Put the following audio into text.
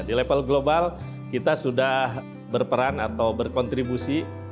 di level global kita sudah berperan atau berkontribusi